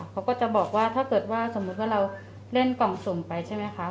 เขาก็จะบอกว่าถ้าเกิดว่าสมมุติว่าเราเล่นกล่องสุ่มไปใช่ไหมคะ